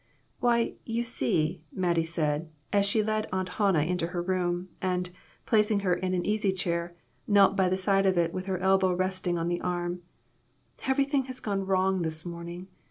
"Why, you see," Mattie said, as she led Aunt Hannah into her room, and, placing her in an easy chair, knelt by the side of it with her elbow resting on the arm, " everything has gone wrong this morning.